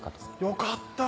よかった。